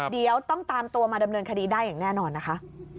เดี๋ยวต้องตามตัวมาดำเนินคดีได้อย่างแน่นอนนะคะ